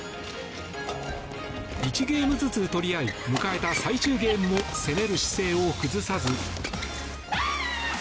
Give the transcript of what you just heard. １ゲームずつ取り合い迎えた最終ゲームも攻める姿勢を崩さず。